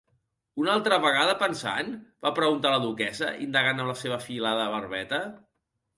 "Una altra vegada pensant?", va preguntar la duquessa indagant amb la seva afilada barbeta.